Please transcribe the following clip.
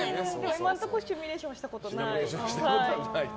今のところシミュレーションしたことない。